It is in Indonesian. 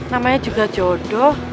namanya juga jodoh